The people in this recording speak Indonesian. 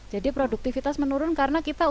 jadi produktivitas menurun karena kita untuk